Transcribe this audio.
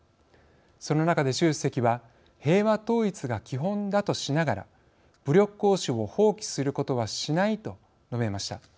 その中で習主席は平和統一が基本だとしながら「武力行使を放棄することはしない」と述べました。